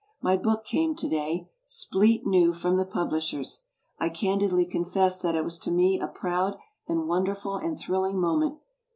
My book came to day, 'spleet new' from the publishers. I candidly confess that it was to me a proud and wonderful and thrilling moment.